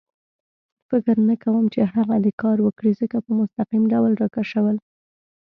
فکر نه کوم چې هغه دې کار وکړي، ځکه په مستقیم ډول را کشول.